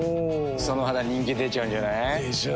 その肌人気出ちゃうんじゃない？でしょう。